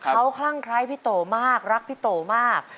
เขาคลั่งคล้ายพี่โตมากรักพี่โตมาก